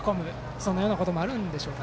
そんなこともあるんでしょうか